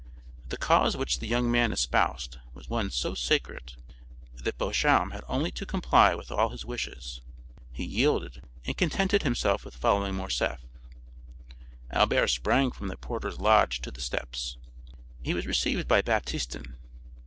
The cause which the young man espoused was one so sacred that Beauchamp had only to comply with all his wishes; he yielded and contented himself with following Morcerf. Albert sprang from the porter's lodge to the steps. He was received by Baptistin.